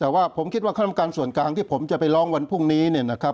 แต่ว่าผมคิดว่าคณะกรรมการส่วนกลางที่ผมจะไปร้องวันพรุ่งนี้เนี่ยนะครับ